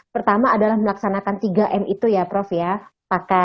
pertama adalah melaksanakan tiga m itu ya prof ya